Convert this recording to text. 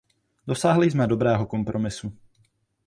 Dosáhli jsme dobrého kompromisu.